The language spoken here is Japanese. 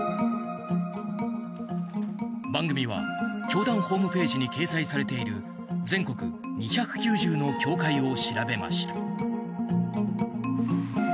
番組は、教団ホームページに掲載されている全国２９０の教会を調べました。